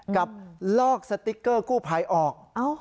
กับลอกสติ๊กเกอร์กู้ภัยออก